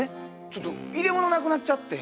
ちょっと入れ物なくなっちゃって。